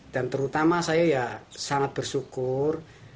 dan terutama saya ya sangat bersyukur